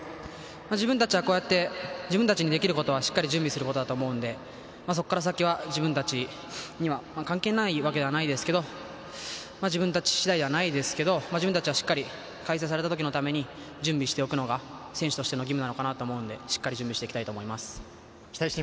自分たちは、こうやって自分たちにできることはしっかり準備することだと思うので、そこから先は自分たちに関係ないわけではないですけど、自分たち次第ではないですけど、自分たちは、しっかり開催されたときのために準備しておくのがいい選手の義務だと思うのでしっかり準備していきたいと思います。